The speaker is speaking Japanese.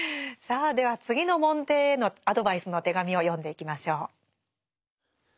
さあでは次の門弟へのアドバイスの手紙を読んでいきましょう。